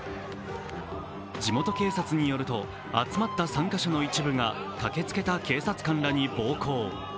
地元警察によると集まった参加者の一部が駆けつけた警察官らに暴行。